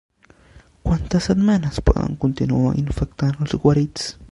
Quantes setmanes poden continuar infectant els guarits?